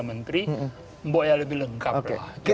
menteri membuatnya lebih lengkap